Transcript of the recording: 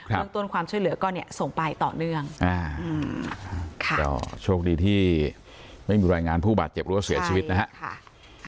เงินต้นความช่วยเหลือก็เนี้ยส่งไปต่อเนื่องอ่าอืมค่ะโชคดีที่ไม่มีรายงานผู้บาดเจ็บรั้วเสียชีวิตนะฮะใช่ค่ะ